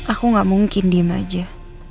aku gak mungkin diem aja